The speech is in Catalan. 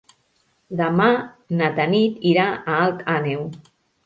Demà na Tanit irà a Alt Àneu.